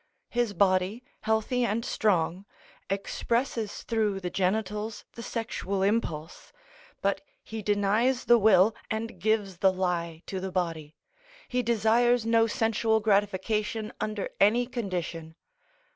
His body, healthy and strong, expresses through the genitals, the sexual impulse; but he denies the will and gives the lie to the body; he desires no sensual gratification under any condition.